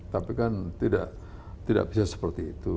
tapi kan tidak bisa seperti itu